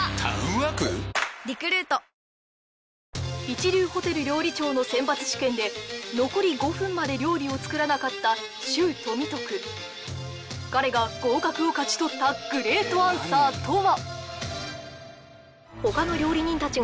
一流ホテル料理長の選抜試験で残り５分まで料理を作らなかった周富徳彼が合格を勝ち取ったグレートアンサーとは？